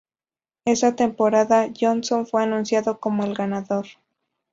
Esa temporada, Johnson fue anunciado como el ganador.